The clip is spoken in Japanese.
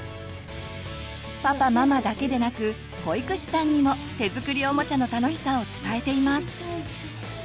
パパママだけでなく保育士さんにも手作りおもちゃの楽しさを伝えています。